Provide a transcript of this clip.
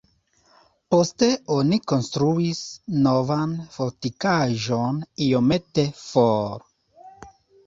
Poste oni konstruis novan fortikaĵon iomete for.